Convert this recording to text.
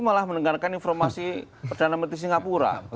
malah mendengarkan informasi perdana menteri singapura